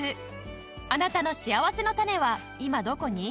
あなたのしあわせのたねは今どこに？